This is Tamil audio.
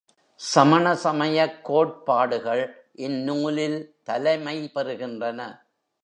சமண சமயக் கோட்பாடுகள் இந்நூலில் தலைமை பெறுகின்றன.